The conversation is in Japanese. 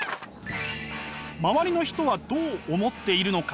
周りの人はどう思っているのか？